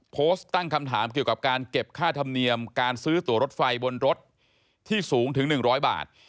โพสต์ตั้งคำถามเกี่ยวกับการเก็บค่าธรรมเนียมการซื้อตัวรถไฟบนรถที่สูงถึง๑๐๐บาท